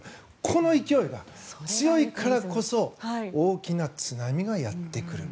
この勢いが強いからこそ大きな津波がやってくる。